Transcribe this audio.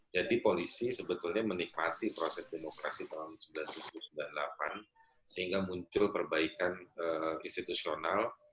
jadi polisi sebetulnya menikmati proses demokrasi tahun seribu sembilan ratus sembilan puluh delapan sehingga muncul perbaikan institusional